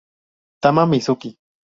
Tama Mizuki